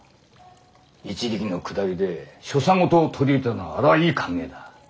「一力」のくだりで所作事を取り入れたのはあれはいい考えだ。